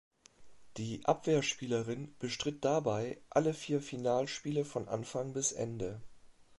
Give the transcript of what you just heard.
Die Abwehrspielerin bestritt dabei alle vier Finalspiele von Anfang bis Ende.